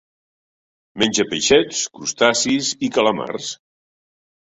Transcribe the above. Menja peixets, crustacis i calamars.